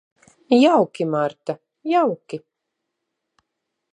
Jauki, Marta, jauki.